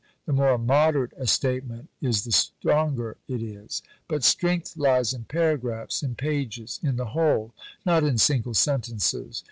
The more moderate a statement is the stronger it is. But strength lies in paragraphs, in pages, in the whole; not in single sentences.